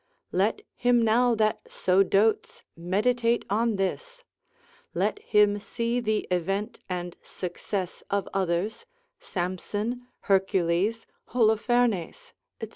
Let him now that so dotes meditate on this; let him see the event and success of others, Samson, Hercules, Holofernes, &c.